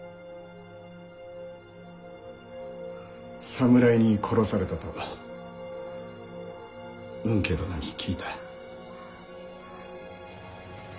「侍に殺された」と吽慶殿に聞いた。